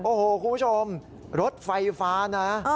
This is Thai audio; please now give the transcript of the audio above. โอ้โหคุณผู้ชมรถไฟฟ้านะ